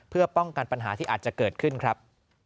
เพื่อป้องกันปัญหาที่อาจจะเกิดขึ้นครับ